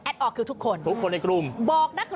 แอดออร์คือทุกคน